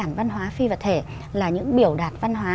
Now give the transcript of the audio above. di sản văn hóa phi vật thể là những biểu đạt văn hóa